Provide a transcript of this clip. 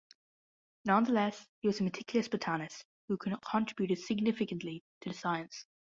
Nonetheless, he was a meticulous botanist who contributed significantly to the science.